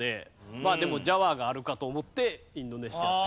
まあでもジャワがあるかと思ってインドネシアって。